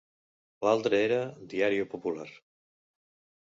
L'altre era "Diário Popular".